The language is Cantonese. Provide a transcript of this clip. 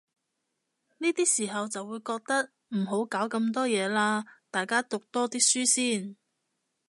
呢啲時候就會覺得，唔好搞咁多嘢喇，大家讀多啲書先